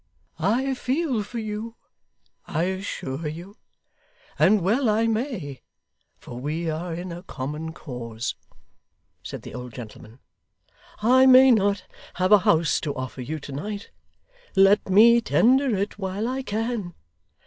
'I feel for you, I assure you and well I may, for we are in a common cause,' said the old gentleman. 'I may not have a house to offer you to night; let me tender it while I can.